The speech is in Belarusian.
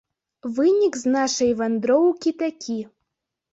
Вынік з нашай вандроўкі такі.